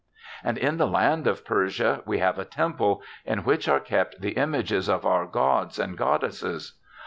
And in the land of Persia we have a temple, in which are kept the images of our gods and goddesses.